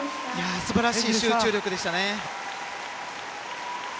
素晴らしい集中力でしたね。